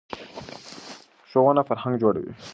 ښوونه فرهنګ جوړوي.